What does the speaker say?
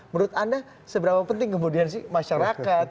menurut anda seberapa penting kemudian sih masyarakat